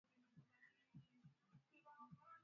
Alisema ameelezea wasiwasi wa umoja